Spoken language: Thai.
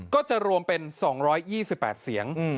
ก็จะรวมเป็น๒๒๘เสียง